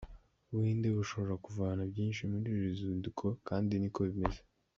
U Buhinde bushobora kuvana byinshi muri uru ruzinduko kandi niko bimeze.